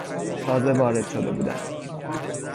تازه وارد شده بودند.